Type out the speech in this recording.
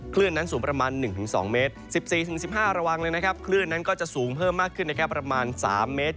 คลื่นนั้นสูงประมาณ๑๒เมตร๑๔๑๕ระวังเลยนะครับคลื่นนั้นก็จะสูงเพิ่มมากขึ้นนะครับประมาณ๓เมตร